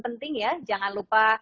penting ya jangan lupa